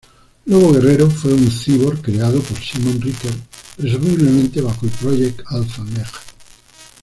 Lobo Guerrero fue un cyborg creado por Simon Ryker, presumiblemente bajo el Project: Alpha-Mech.